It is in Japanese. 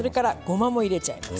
ごまも入れちゃいます。